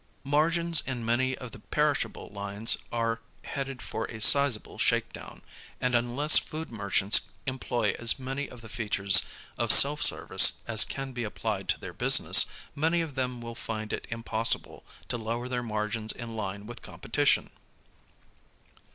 Margins in many of the perishable lines are headed for a sizable shake down, and unless food merchants employ as many of the features of self service as can be applied to their business, many of them will find it impossible to lower their margins in line with competition.